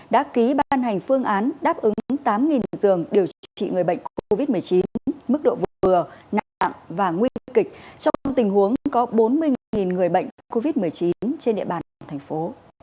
đã ký ban hành phương án đáp ứng tám giường điều trị người bệnh covid một mươi chín mức độ vừa nặng và nguy kịch trong tình huống có bốn mươi người bệnh covid một mươi chín trên địa bàn thành phố